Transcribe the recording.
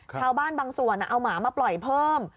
ชาวบ้านบางส่วนเอาหมามาปล่อยเพิ่ม